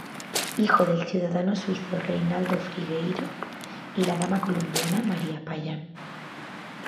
Hijo del ciudadano suizo Reinaldo Frigerio y la dama colombiana María Payán.